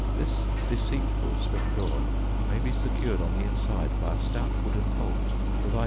This deceitful swing door may be secured on the inside by a stout wooden bolt provided for that purpose.